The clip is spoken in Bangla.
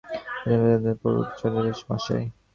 আপনার মুখে ফুলচন্দন পড়ুক চক্রবর্তীমশায়।